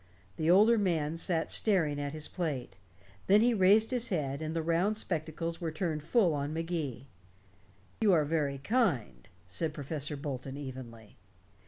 The older man sat staring at his plate; then he raised his head and the round spectacles were turned full on Magee. "You are very kind," said Professor Bolton evenly.